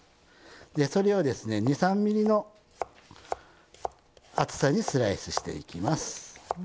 でそれをですね２３ｍｍの厚さにスライスしていきます。